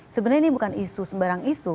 sebenarnya ini bukan isu sembarang isu